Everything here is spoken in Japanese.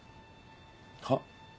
はっ？